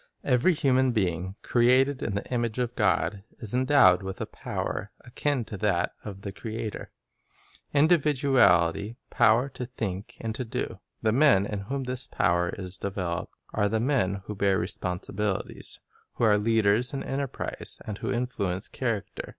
Every human being, created in the image of God, is endowed with a power akin to that of the Creator, — individuality, power to think and to do. The men in whom this power is developed are the men who bear responsibilities, who are leaders in enterprise, and who influence character.